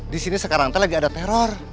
disini sekarang tadi lagi ada teror